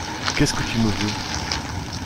Qu’est-ce que tu me veux?